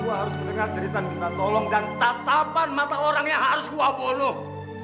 gue harus mendengar cerita minta tolong dan tatapan mata orang yang harus gue boluh